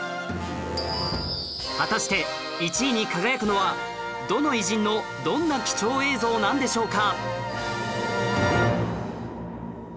果たして１位に輝くのはどの偉人のどんな貴重映像なんでしょうか？